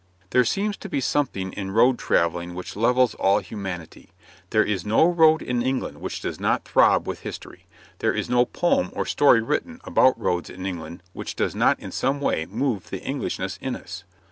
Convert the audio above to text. There seems to be something in road travelling which levels all humanity; there is no road in England which does not throb with history; there is no poem or story written about roads in England which does not in some way move the Englishness in us.